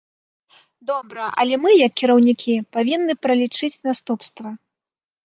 Добра, але мы, як кіраўнікі, павінны пралічыць наступствы.